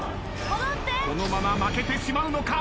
このまま負けてしまうのか？